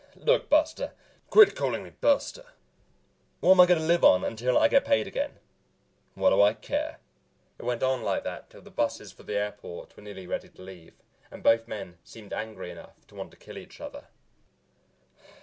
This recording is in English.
"Look, buster " "Quit callin' me buster." "What am I going to live on until I get paid again?" "What do I care?" It went on like that until the busses for the airport were nearly ready to leave and both men seemed angry enough to kill each other.